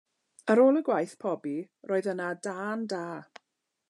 Ar ôl y gwaith pobi roedd yna dân da.